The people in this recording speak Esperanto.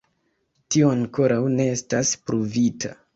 Tio ankoraŭ ne estas pruvita.